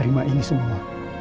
terima ini semua